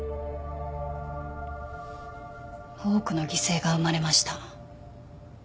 多くの犠牲が生まれました。